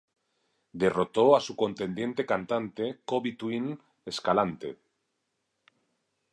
Derrotó a su contendiente cantante co-Bituin Escalante.